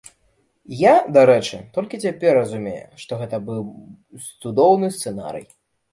Я, дарэчы, толькі цяпер разумею, што гэта быў цудоўны сцэнарый.